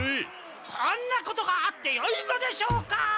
こんなことがあってよいのでしょうか！